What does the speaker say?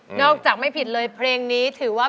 หัวใจวิวก็พงเสียว่า